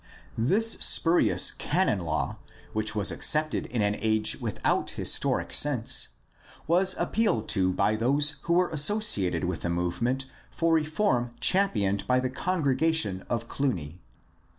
This spurious canon law, which was accepted in an age without historic sense, was appealed to by those who were associated with the movement for reform championed by the Congregation of Cluny.